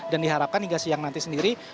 dan diharapkan hingga siang nanti sendiri